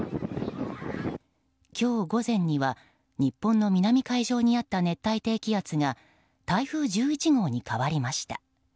今日午前には日本の南海上にあった熱帯低気圧が台風１１号に変わりました。